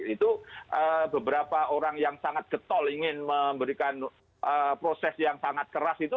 itu beberapa orang yang sangat getol ingin memberikan proses yang sangat keras itu